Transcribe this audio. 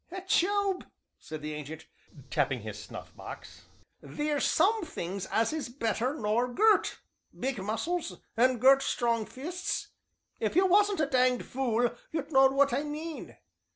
"Job," said the Ancient, tapping his snuff box, "theer's some things as is better nor gert, big muscles, and gert, strong fists if you wasn't a danged fule you'd know what I mean.